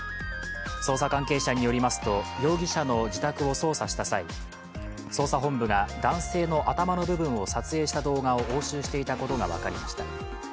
捜査関係者によりますと、容疑者の自宅を捜査した際、捜査本部が男性の頭の部分を撮影した動画を押収していたことが分かりました。